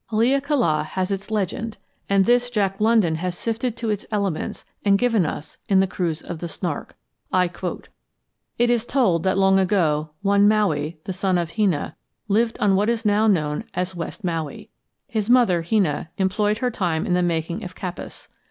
Haleakala has its legend, and this Jack London has sifted to its elements and given us in "The Cruise of the Snark." I quote: "It is told that long ago, one Maui, the son of Hina, lived on what is now known as West Maui. His mother, Hina, employed her time in the making of kapas.